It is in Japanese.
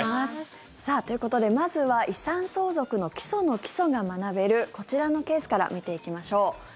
ということで、まずは遺産相続の基礎の基礎が学べるこちらのケースから見ていきましょう。